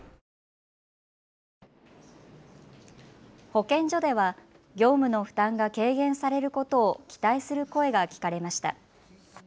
保健所では業務の負担が軽減されることを期待する声が聞かれました。